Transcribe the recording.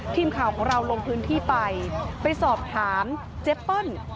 ทีมข่าวของเราลงพื้นที่ไปไปสอบถามเจเปิ้ล